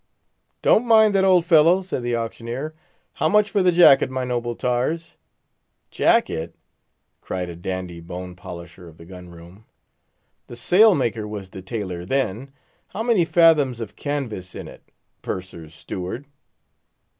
"Don't mind that old fellow," said the auctioneer. "How much for the jacket, my noble tars?" "Jacket;" cried a dandy bone polisher of the gun room. "The sail maker was the tailor, then. How many fathoms of canvas in it, Purser's Steward?"